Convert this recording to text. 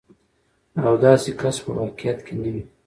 او داسې کس په واقعيت کې نه وي.